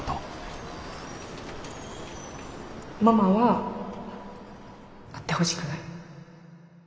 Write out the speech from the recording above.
ママは会ってほしくない。